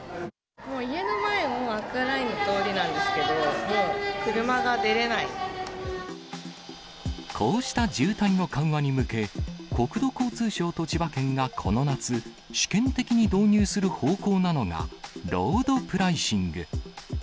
もう家の前もアクアラインの通りなんですけど、こうした渋滞の緩和に向け、国土交通省と千葉県がこの夏、試験的に導入する方向なのが、ロードプライシング。